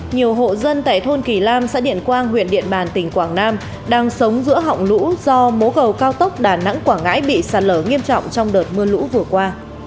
nhiều hộ dân tại thôn kỳ lam xã điện quang huyện điện bàn tỉnh quảng nam đang sống giữa họng lũ do mố cầu cao tốc đà nẵng quảng ngãi bị sạt lở nghiêm trọng trong đợt mưa lũ vừa qua